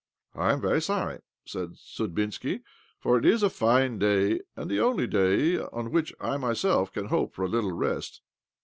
" I am very sorry," said Sudbinski ;" for it is a fine day, arid the only day on which I myself can hope for a little rest."